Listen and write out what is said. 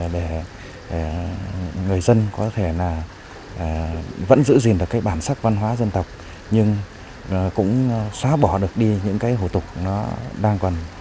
để người dân có thể là vẫn giữ gìn được cái bản sắc văn hóa dân tộc nhưng cũng xóa bỏ được đi những cái hủ tục nó đang còn